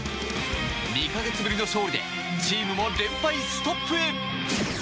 ２か月ぶりの勝利でチームも連敗ストップへ。